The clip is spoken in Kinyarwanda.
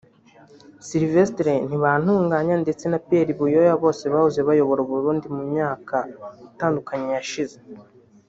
Sylvestre Ntibantunganya ndetse na Pierre Buyoya bose bahoze bayobora u Burundi mu myaka itandukanye yashize